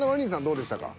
どうでしたか？